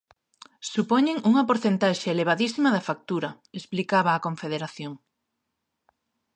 "Supoñen unha porcentaxe elevadísima da factura", explicaba a confederación.